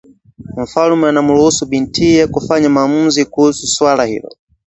Mfalme anamruhusu bintiye kufanya maamuzi kuhusu suala hilo